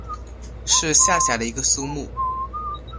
是下辖的一个苏木。